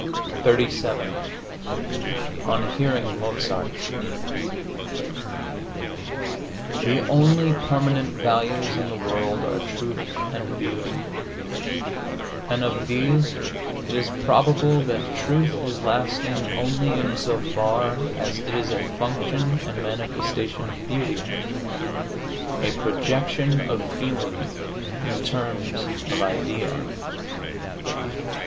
XXXVII ON HEARING MOZART The only permanent values in the world are truth and beauty, and of these it is probable that truth is lasting only in so far as it is a function and manifestation of beauty a projection of feeling in terms of idea.